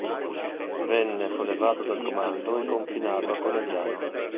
Venne sollevato dal comando e confinato a Conegliano.